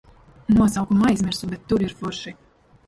Nosaukumu aizmirsu, bet tur ir forši.